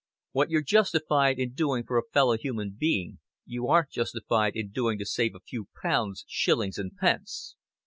What you're justified in doing for a fellow human being you aren't justified in doing to save a few pounds, shillings and pence."